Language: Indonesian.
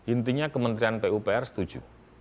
intinya kementerian pupr setuju